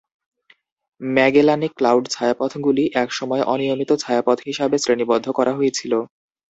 Magellanic cloud ছায়াপথগুলি একসময় অনিয়মিত ছায়াপথ হিসাবে শ্রেণীবদ্ধ করা হয়েছিল।